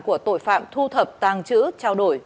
của tội phạm thu thập tàng trữ trao đổi